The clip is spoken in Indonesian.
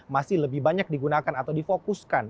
masih lebih banyak digunakan atau difokuskan